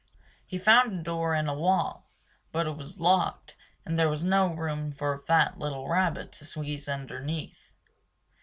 He found a door in a wall; but it was locked and there was no room for a fat little rabbit to squeeze underneath.